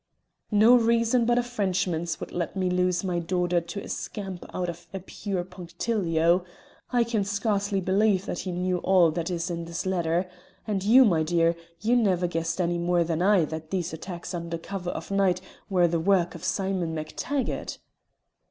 "No reason but a Frenchman's would let me lose my daughter to a scamp out of a pure punctilio. I can scarcely believe that he knew all that is in this letter. And you, my dear, you never guessed any more than I that these attacks under cover of night were the work of Simon MacTaggart."